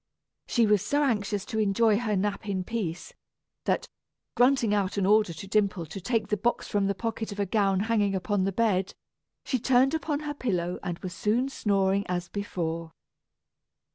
She was so anxious to enjoy her nap in peace, that, grunting out an order to Dimple to take the box from the pocket of a gown hanging upon the bed, she turned upon her pillow and was soon snoring as before.